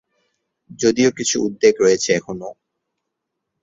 যদিও কিছু উদ্বেগ রয়েছে এখনও।